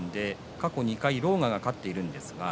過去２回、狼雅が勝っています。